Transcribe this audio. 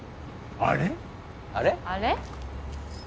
あれ？